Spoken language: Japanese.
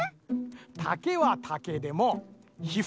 たけはたけでもひふきだけ。ね。